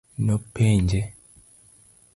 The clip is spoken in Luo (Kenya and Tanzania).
Nopenje.